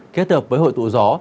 kết hợp với hội tụ gió